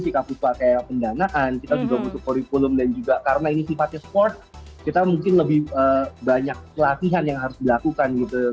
ketika viva kayak pendanaan kita juga butuh kurikulum dan juga karena ini sifatnya sport kita mungkin lebih banyak pelatihan yang harus dilakukan gitu